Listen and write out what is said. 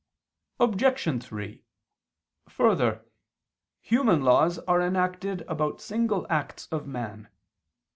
Obj. 3: Further, human laws are enacted about single acts of man.